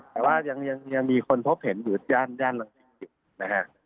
แต่ว่ายังมีคนพบเห็นอยู่ด้างโลกาแรงพิกฤตนะฮะ